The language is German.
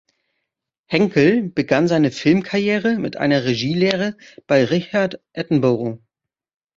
Henckel begann seine Filmkarriere mit einer Regie-Lehre bei Richard Attenborough.